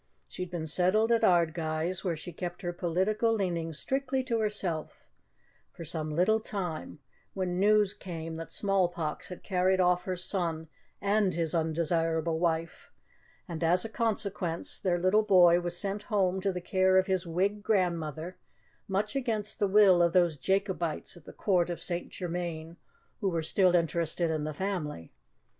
She had been settled at Ardguys, where she kept her political leanings strictly to herself, for some little time, when news came that smallpox had carried off her son and his undesirable wife, and, as a consequence, their little boy was sent home to the care of his Whig grandmother, much against the will of those Jacobites at the Court of St. Germain who were still interested in the family.